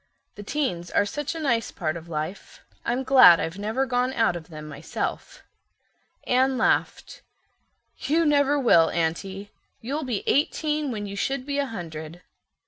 "The teens are such a nice part of life. I'm glad I've never gone out of them myself." Anne laughed. "You never will, Aunty. You'll be eighteen when you should be a hundred.